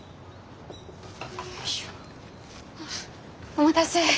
お待たせ。